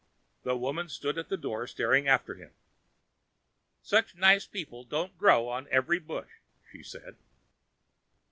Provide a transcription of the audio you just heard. The woman stood at the door staring after him. "Such people don't grow on every bush," she said.